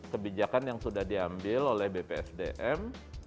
kebijakan yang sudah diambil oleh bpsdm